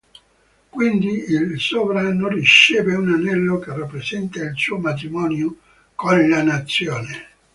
Quindi il sovrano riceve un anello che rappresenta il suo "matrimonio" con la nazione.